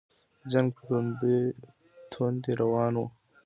جنګ په توندۍ روان وو.